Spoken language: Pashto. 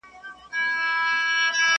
اولادونه مي له لوږي قتل کېږي؛